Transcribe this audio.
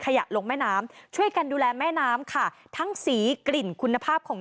ลงแม่น้ำช่วยกันดูแลแม่น้ำค่ะทั้งสีกลิ่นคุณภาพของ